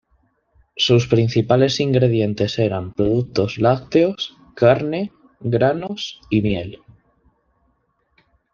Sus principales ingredientes eran productos lácteos, carne, granos y miel.